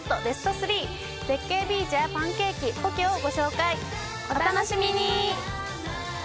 ベスト３絶景ビーチやパンケーキポケをご紹介お楽しみに！